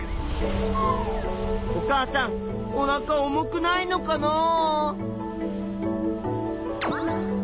お母さんおなか重くないのかなあ。